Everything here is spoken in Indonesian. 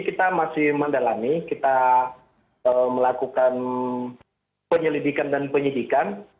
kita masih mendalami kita melakukan penyelidikan dan penyidikan